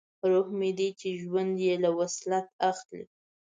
روح مې دی چې ژوند یې له وصلت اخلي